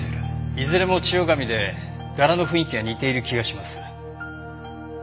いずれも千代紙で柄の雰囲気が似ている気がします。